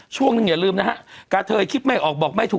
ช่วงนึงอย่าลืมนะฮะกะเทยคิดไม่ออกบอกไม่ถูก